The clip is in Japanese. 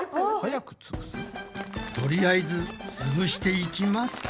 とりあえずつぶしていきますか。